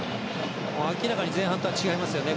明らかに前半とは違いますよね。